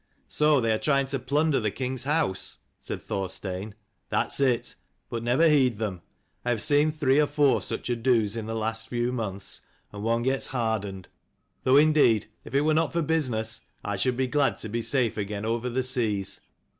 " So they are trying to plunder the king's house ?" said Thorstein. " That's it : but never heed them. I have seen three or four such ados in the last few months, and one gets hardened. Though indeed if it were not for business, I should be glad to be safe again over the seas.